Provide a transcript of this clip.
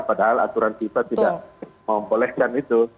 padahal aturan fifa tidak membolehkan itu